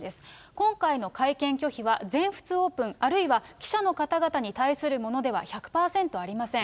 今回の会見拒否は全仏オープン、あるいは記者の方々に対するものでは１００％ありません。